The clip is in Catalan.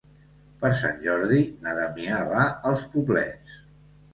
Per Sant Jordi na Damià va als Poblets.